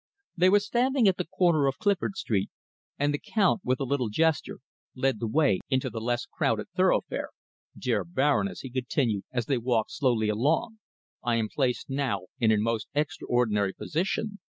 They were standing at the corner of Clifford Street, and the Count, with a little gesture, led the way into the less crowded thoroughfare. "Dear Baroness," he continued, as they walked slowly along, "I am placed now in a most extraordinary position.